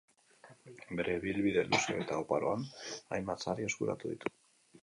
Bere ibilbide luze eta oparoan hainbat sari eskuratu ditu.